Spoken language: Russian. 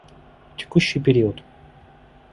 Текущий период